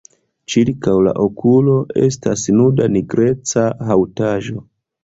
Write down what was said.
Ĉirkaŭ la okulo estas nuda nigreca haŭtaĵo.